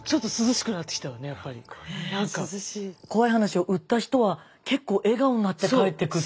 怖い話を売った人は結構笑顔になって帰ってくって。